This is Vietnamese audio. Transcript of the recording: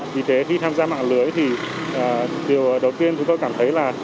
vì thế khi tham gia mạng lưới thì điều đầu tiên chúng tôi cảm thấy là